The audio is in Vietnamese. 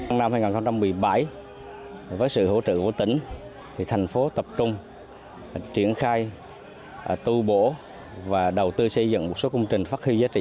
năm hai nghìn một mươi bảy với sự hỗ trợ của tỉnh thành phố tập trung triển khai tu bổ và đầu tư xây dựng một số công trình phát huy giá trị